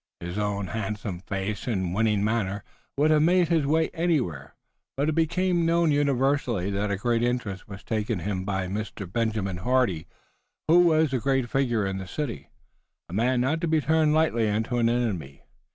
His own handsome face and winning manner would have made his way anywhere, but it became known universally that a great interest was taken in him by Mr. Benjamin Hardy, who was a great figure in the city, a man not to be turned lightly into an enemy.